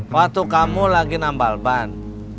waktu kamu lagi nambal ban